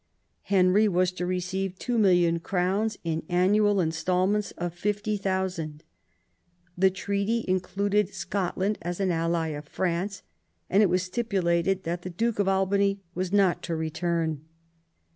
Henry was to receive 2,000,000 crowns in annual instalments of 50,000; the treaty included Scotland as an ally of France, and it was stipulated that the Duke of Albany was not to return.